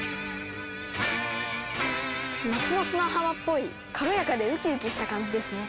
夏の砂浜っぽい軽やかでウキウキした感じですね。